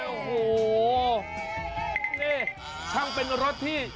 นี่ช่างเป็นรถที่